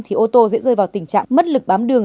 thì ô tô dễ rơi vào tình trạng mất lực bám đường